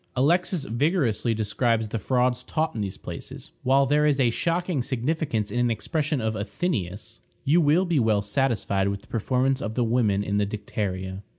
Alexis vigorously describes the frauds taught in these places, while there is a shocking significance in an expression of Athenæus "You will be well satisfied with the performance of the women in the dicteria."